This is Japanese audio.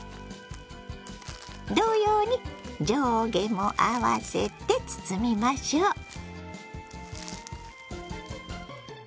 同様に上下も合わせて包みましょう。